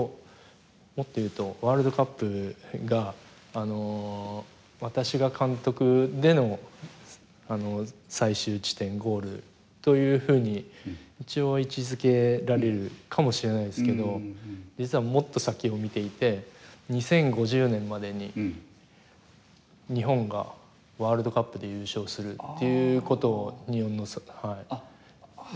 もっと言うとワールドカップが私が監督での最終地点ゴールというふうに一応、位置づけられるかもしれないですけど実は、もっと先を見ていて２０５０年までに日本がワールドカップで優勝するということを日本の協会が発表しているので。